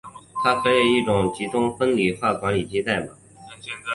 它可以以一种集成分布的方式管理文档以及代码。